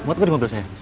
muat gak di mobil saya